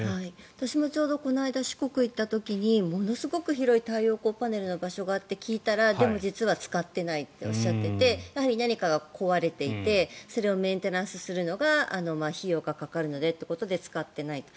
私もちょうどこの間四国に行った時にものすごく広い太陽光パネルの場所があって聞いたら、でも実は使ってないとおっしゃっていてやはり何かが壊れていてそれをメンテナンスするのが費用がかかるのでということで使っていないと。